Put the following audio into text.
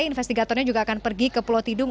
investigatornya juga akan pergi ke pulau tidung